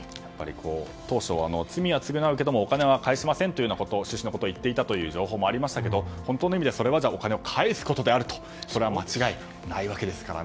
当初、罪は償うけどもお金は返しませんということを言っていたという情報もありましたけど本当の意味でそれはお金を返すことだというのは間違いないわけですから。